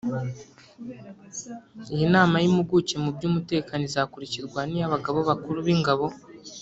Iyi nama y’impuguke mu by’umutekano izakurikirwa n’iy’abagaba bakuru b’ingabo